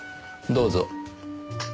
どうぞ。